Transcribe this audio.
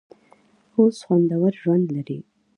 اوس خوندور ژوند لري.